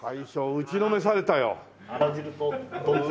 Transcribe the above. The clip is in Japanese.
打ちのめされたよ。